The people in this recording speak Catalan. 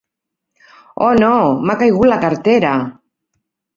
Oh, no! M'ha caigut la cartera!